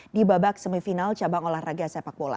di babak semifinal cabang olahraga sepak bola